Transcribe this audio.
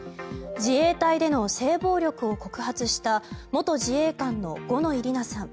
自衛隊での性暴力を告発した元自衛官の五ノ井里奈さん。